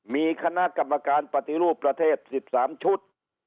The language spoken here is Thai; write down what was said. มีคณะกรรมการปฏิรูปประเทศ๑๓ชุด